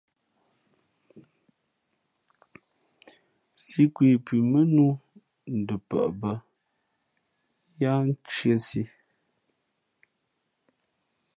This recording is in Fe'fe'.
Sī nkwe pʉ mά nnū ndopαʼ bᾱ yáá ntīēsī.